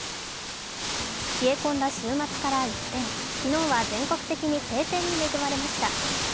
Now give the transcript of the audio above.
冷え込んだ週末から一転昨日は全国的に晴天に恵まれました。